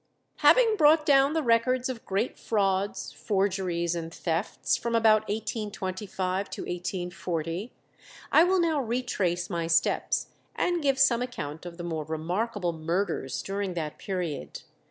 Having brought down the records of great frauds, forgeries, and thefts from about 1825 to 1840, I will now retrace my steps and give some account of the more remarkable murders during that period.